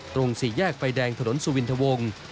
สี่แยกไฟแดงถนนสุวินทวง